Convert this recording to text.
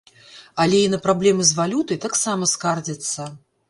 Але і на праблемы з валютай таксама скардзяцца.